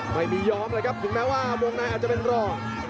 ไม่ยอมเลยครับถึงแม้ว่าวงในอาจจะเป็นรอง